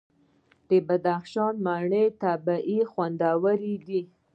د بدخشان مڼې طبیعي او خوندورې دي.